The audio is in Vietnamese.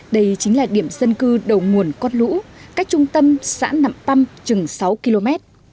đây chính là điểm dân cư đầu nguồn cót lũ cách trung tâm xã nậm băm chừng sáu km